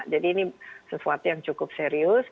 jadi ini sesuatu yang cukup serius